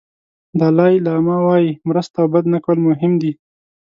دالای لاما وایي مرسته او بد نه کول مهم دي.